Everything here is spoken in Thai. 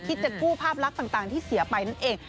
จะกู้ภาพลักษณ์ต่างที่เสียไปนั่นเอง